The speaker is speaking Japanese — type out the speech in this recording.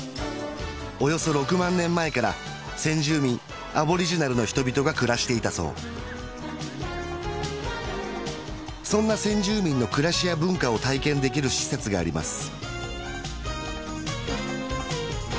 およそ６万年前から先住民アボリジナルの人々が暮らしていたそうそんな先住民の暮らしや文化を体験できる施設があります